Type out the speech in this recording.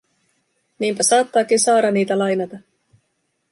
Niinpä saattaakin Saara niitä lainata.